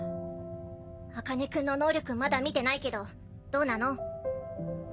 茜君の能力まだ見てないけどどうなの？